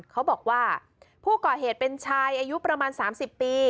เขาบอกว่าผู้ก่อเหตุเป็นชายอายุประมาณ๓๐ปี